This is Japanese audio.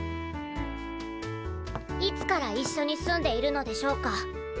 いつから一緒に住んでいるのでしょうか？